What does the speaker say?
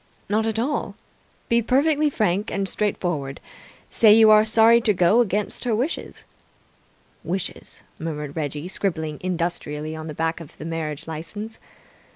"Not at all. Be perfectly frank and straightforward. Say you are sorry to go against her wishes " "Wishes," murmured Reggie, scribbling industrially on the back of the marriage licence.